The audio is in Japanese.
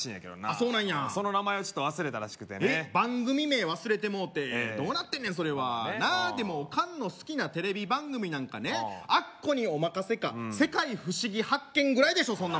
あそうなんやその名前を忘れたらしくてね番組名忘れてもうてどうなってんねんそれはなあでもおかんの好きなテレビ番組なんかね「アッコにおまかせ！」か「世界ふしぎ発見！」ぐらいでしょ